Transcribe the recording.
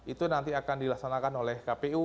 itu nanti akan dilaksanakan oleh kpu